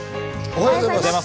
おはようございます。